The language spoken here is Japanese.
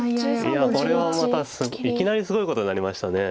いやこれはまたいきなりすごいことになりました。